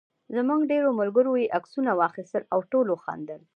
زموږ ډېرو ملګرو یې عکسونه واخیستل او ټولو خندل.